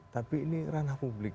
tapi ini ranah publik